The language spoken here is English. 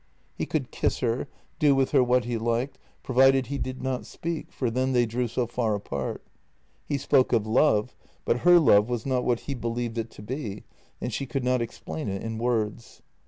He could kiss her, do with her what he liked, provided he JENNY 203 did not speak, for then they drew so far apart. He spoke of love, but her love was not what he believed it to be, and she could not explain it in words.